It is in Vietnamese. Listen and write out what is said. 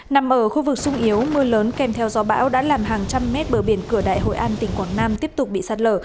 nằm ở khu vực sung yếu mưa lớn kèm theo gió bão đã làm hàng trăm mét bờ biển cửa đại hội an tỉnh quảng nam tiếp tục bị sạt lở